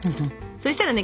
そしたらね